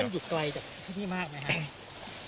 ต้องหยุดไกลจากที่นี่มากไหมครับ